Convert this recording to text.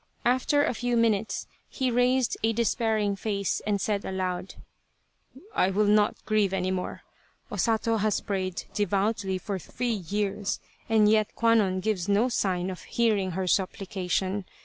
After a few minutes he raised a despairing face and said aloud :" I will not grieve any more. O Sato has prayed devoutly for three years, and yet Kwannon gives no sign of hearing her supplication.